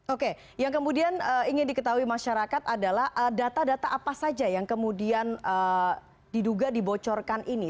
oke yang kemudian ingin diketahui masyarakat adalah data data apa saja yang kemudian diduga dibocorkan ini